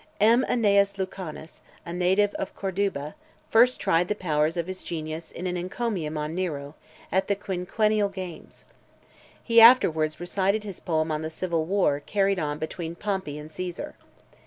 (544) M. ANNAEUS LUCANUS, a native of Corduba , first tried the powers of his genius in an encomium on Nero, at the Quinquennial games. He afterwards recited his poem on the Civil War carried on between Pompey and Caesar.